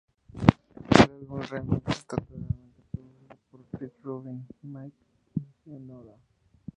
El álbum remix esta totalmente producido por Rick Rubin y Mike Shinoda.